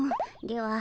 では